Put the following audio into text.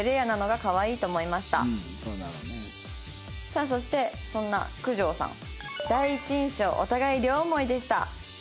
さあそしてそんな九条さん。